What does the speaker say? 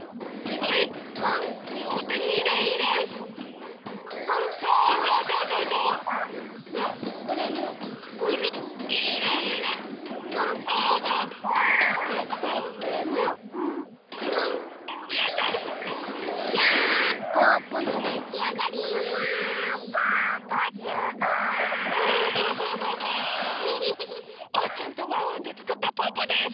おうちゃんとワンワンでつくったぽぅぽです！